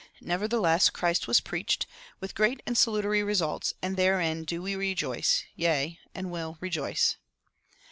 Nevertheless Christ was preached, with great and salutary results; and therein do we rejoice, yea, and will rejoice.